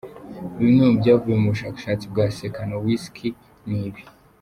Bimwe mubyavuye mu bushakashatsi bwa Czekanowski ni ibi :.